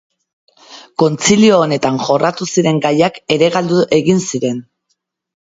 Kontzilio honetan jorratu ziren gaiak ere galdu egin ziren.